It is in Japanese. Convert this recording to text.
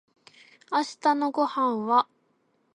明日のご飯は